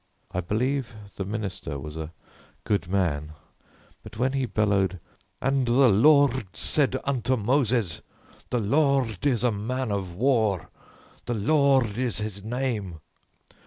I believe the minister was a good man, but when he bellowed: "And the Lorrrrd said unto Moses, the Lorrrd is a man of war; the Lorrrd is his name.